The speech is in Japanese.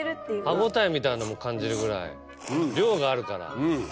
歯応えみたいなのも感じるぐらい量があるから。